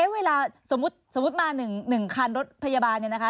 เวลาสมมุติมา๑คันรถพยาบาล